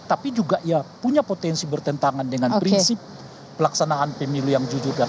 tapi juga ya punya potensi bertentangan dengan prinsip pelaksanaan pemilu yang jujur dan